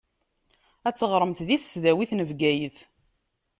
Ad teɣṛemt di tesdawit n Bgayet.